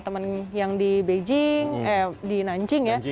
teman yang di nanjing ya